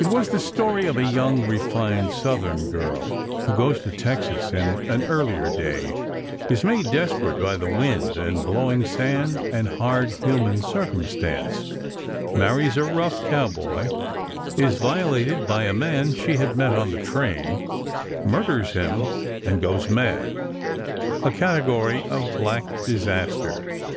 It was the story of a young, refined Southern girl, who goes to Texas in an earlier day; is made desperate by the wind and blowing sand and hard human circumstance; marries a rough cowboy; is violated by a man she had met on the train; murders him and goes mad—a category of black disaster.